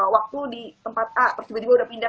waktu di tempat a terus tiba tiba udah pindah